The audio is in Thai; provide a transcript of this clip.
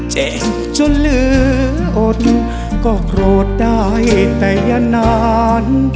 เจ็บจนเหลืออดก็โกรธได้แต่อย่านาน